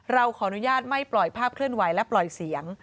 เราขออนุญาตไม่ปล่อยภาพเคลื่อนไหวและปล่อยเสียง